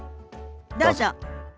どうぞ。